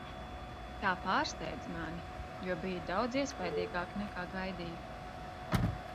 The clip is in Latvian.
Tā pārsteidza mani, jo bija daudz iespaidīgāka, nekā gaidīju.